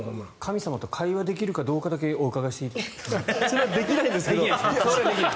神様と会話ができるかどうかだけそれはできないですけど。